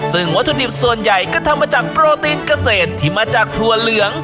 ซึ่งวัตถุดิบส่วนใหญ่ก็ทำมาจากโปรตีนเกษตรที่มาจากถั่วเหลือง